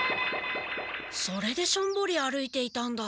それでしょんぼり歩いていたんだ。